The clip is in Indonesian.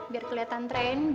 biar keliatan trendy